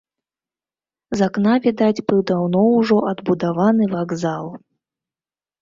З акна відаць быў даўно ўжо адбудаваны вакзал.